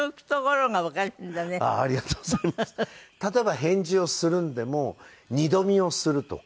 例えば返事をするのでも二度見をするとか。